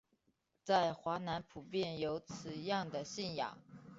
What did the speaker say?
在华南普遍有此样的信仰。